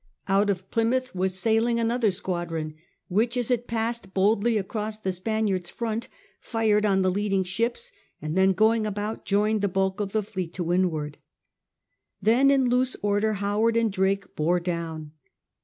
Out of Plymouth was sailing another squadron, which, as it passed boldly across the Spaniards' front, fired on the leading ships, and then going about joined the bulk of the fleet to windward. Then in loose order Howard and Drake bore down.